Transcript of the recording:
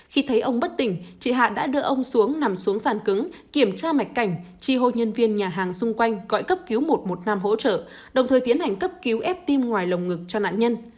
khi thấy ông bất tỉnh chị hạ đã đưa ông xuống nằm xuống sàn cứng kiểm tra mạch cảnh chi hô nhân viên nhà hàng xung quanh gọi cấp cứu một trăm một mươi năm hỗ trợ đồng thời tiến hành cấp cứu ép tim ngoài lồng ngực cho nạn nhân